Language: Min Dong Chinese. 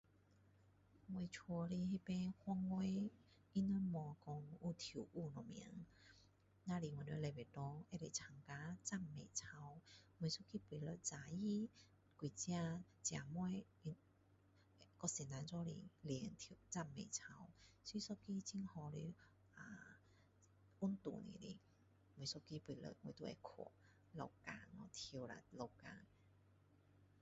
我家的那边范围他们没有说有跳舞什么只是我们礼拜堂能够参加赞美操每个礼拜六早上和几个姐妹和老师一起练赞美操是一个很好的运动来的啊每一个拜六都会去跳呃流汗